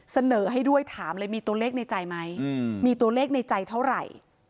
เสนอให้ด้วยถามเลยมีตัวเลขในใจไหมมีตัวเลขในใจเท่าไหร่